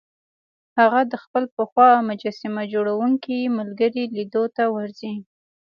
هغه د خپل پخوا مجسمه جوړوونکي ملګري لیدو ته ورځي